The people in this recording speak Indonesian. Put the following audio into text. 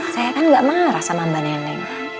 saya kan gak marah sama mbak neneng